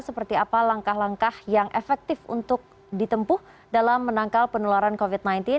seperti apa langkah langkah yang efektif untuk ditempuh dalam menangkal penularan covid sembilan belas